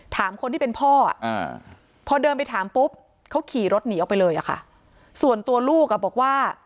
ถามคนที่เป็นพ่ออ่ะพอเดินไปถามปุ๊บเขาขี่รถหนีออกไปเลยอ่ะค่ะ